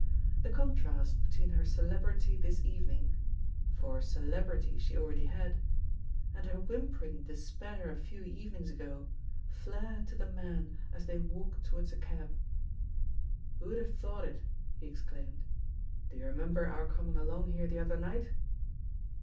The contrast between her celebrity this evening — ^for "celebrity" she al ready had— and her whimpermg despair a few evenings ago flared to the man as they walked towards a cab. "Who'd have thought it?" he exclaimed — ^'^do you remember our coming along here the other night?"